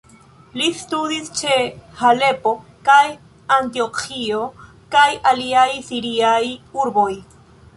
Li studis ĉe Halepo kaj Antioĥio kaj aliaj siriaj urboj.